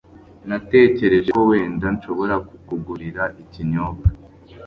Natekereje ko wenda nshobora kukugurira ikinyobwa.